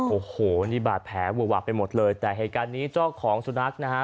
โอ้โหนี่บาดแผลเวอะวะไปหมดเลยแต่เหตุการณ์นี้เจ้าของสุนัขนะฮะ